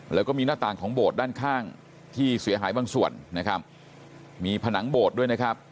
แล้วก็มีหน้าต่างของโบสถ์ด้านข้างที่เสียหายบางส่วนนะครับมีผนังโบสถ์ด้วยนะครับ